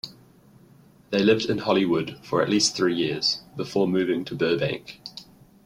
They lived in Hollywood for at least three years, before moving to Burbank.